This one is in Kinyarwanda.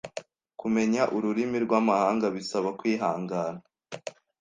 Kumenya ururimi rwamahanga bisaba kwihangana.